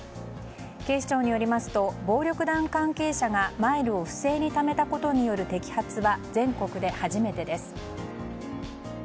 警視庁によりますと暴力団関係者がマイルを不正にためたことによる摘発は、全国で初めてです。